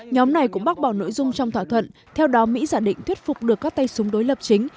nhóm này cũng bác bỏ nội dung trong thỏa thuận theo đó mỹ giả định thuyết phục được các tay súng đối lập chính